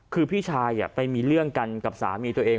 คือพี่ชายไปมีเรื่องกันกับสามีตัวเอง